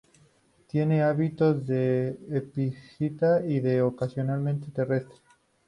Tiene hábitos de epífita y ocasionalmente terrestre.